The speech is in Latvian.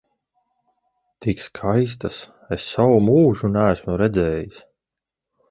Tik skaistas es savu mūžu neesmu redzējis!